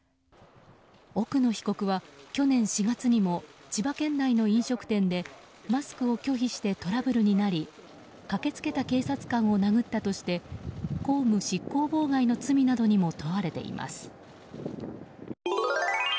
奥野被告は去年４月にも千葉県内の飲食店でマスクを拒否してトラブルになり駆け付けた警察官を殴ったとして公務執行妨害の罪などにも問われています。